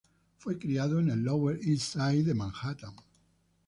Fue criado en el Lower East Side de Manhattan.